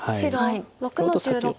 白６の十六。